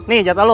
nih jatah lo